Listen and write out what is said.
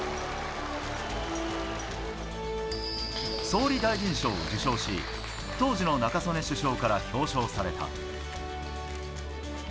総理大臣賞を受賞し、当時の中曽根首相から表彰された。